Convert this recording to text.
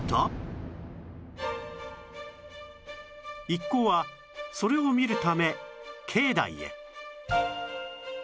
一行はそれを見るため境内へ